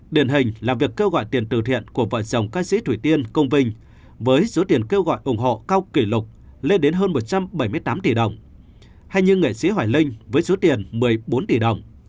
điển hình là việc kêu gọi tiền từ thiện của vợ chồng ca sĩ thủy tiên công vinh với số tiền kêu gọi ủng hộ cao kỷ lục lên đến hơn một trăm bảy mươi tám tỷ đồng hay như nghệ sĩ hoài linh với số tiền một mươi bốn tỷ đồng